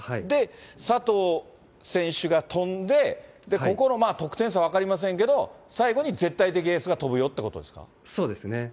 で、佐藤選手が飛んで、ここの得点差、分かりませんけど、最後に絶対的エースが飛ぶよってことですか。